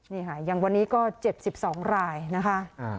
นี่ค่ะอย่างวันนี้ก็เจ็บ๑๒รายนะคะ